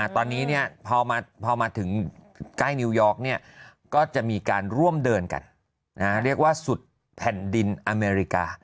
ตอนนี้พอมาถึงใกล้นิวยอร์กก็จะมีการร่วมเดินกันเรียกว่าสุดแผ่นดินอเมริกา